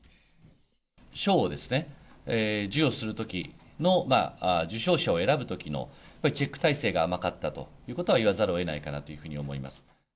賞を授与するときの受賞者を選ぶときのチェック体制が甘かったということは言わざるをえないかなというふうに思います。